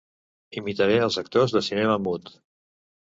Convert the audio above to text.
Imitaré els actors de cinema mut.